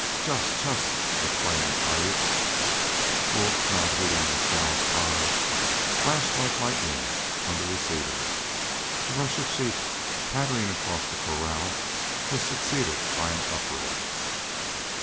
"Chus chus!" exclaimed Piute. Wolf, not heeding Mescal's cry, flashed like lightning under the cedars. The rush of the sheep, pattering across the corral was succeeded by an uproar.